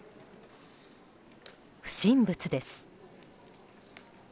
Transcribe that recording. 不審物です。